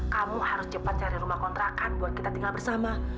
kamu harus cepat cari rumah kontrakan buat kita tinggal bersama